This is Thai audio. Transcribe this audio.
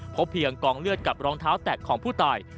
พบเพียงกองเลือดกับรองเท้าแตะของผู้ตาย